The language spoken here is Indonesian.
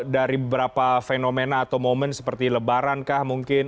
dari beberapa fenomena atau momen seperti lebarankah mungkin